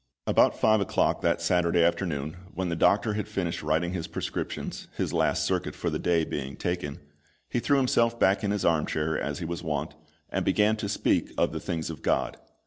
About five o'clock that Saturday afternoon, when the doctor had finished writing his prescriptions, his last circuit for the day being taken, he threw himself back in his arm chair, as he was wont, and began to speak of the things of GOD.